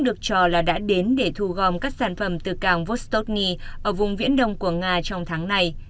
được cho là đã đến để thu gom các sản phẩm từ cảng vostotny ở vùng viễn đông của nga trong tháng này